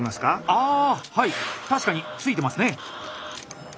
あはい確かについてますね。